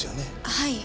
はい。